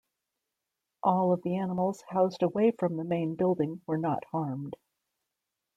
All of the animals housed away from the main building were not harmed.